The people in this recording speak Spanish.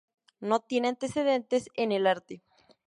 No tiene antecedentes en el arte.